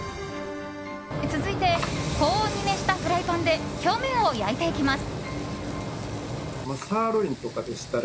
続いて高温に熱したフライパンで表面を焼いていきます。